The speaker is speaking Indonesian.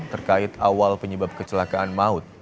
terkait awal penyebab kecelakaan maut